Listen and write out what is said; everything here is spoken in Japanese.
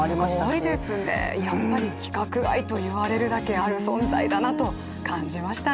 すごいですね、やっぱり規格外と言われるだけある存在だなと思いました。